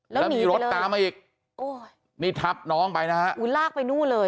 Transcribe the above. แล้วมีรถตามมาอีกนี่ทับน้องไปนะฮะ